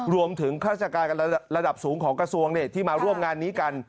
ข้าราชการระดับสูงของกระทรวงที่มาร่วมงานนี้กัน